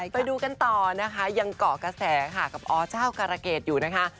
ไปดูกันต่อนะคะยังเกาะกระแสค่ะกับอเจ้าการะเกดอยู่นะคะ